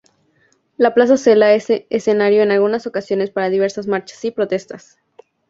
La Plaza Zela es escenario en algunas ocasiones para diversas marchas y protestas.